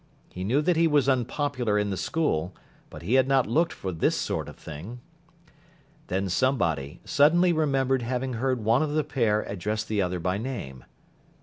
He knew that he was unpopular in the school, but he had not looked for this sort of thing. Then somebody suddenly remembered having heard one of the pair address the other by name.